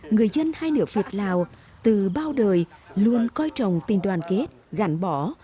người dân hai nửa việt lào từ bao đời luôn coi trọng tình đoàn kết gắn bỏ